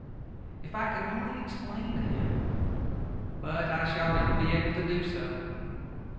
If I could only explain to him! But I shall never be able to do so.